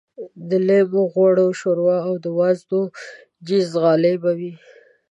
د لېم غوړ شوروا او د وازدو جیزغالي به وې.